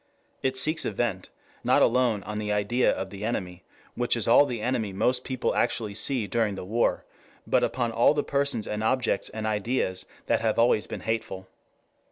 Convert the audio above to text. It seeks a vent not alone on the idea of the enemy, which is all the enemy most people actually see during the war, but upon all the persons and objects and ideas that have always been hateful.